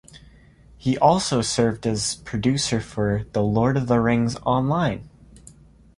He also served as producer for "The Lord of the Rings Online".